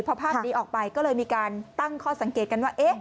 พอภาพนี้ออกไปก็เลยมีการตั้งข้อสังเกตกันว่า